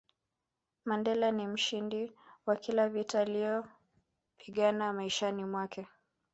Mandela ni mshindi wa kila vita aliyopigana maishani mwake